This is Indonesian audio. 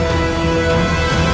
aku akan menang